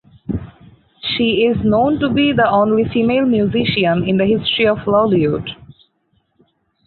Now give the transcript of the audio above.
She is known to be the only female musician in the history of Lollywood.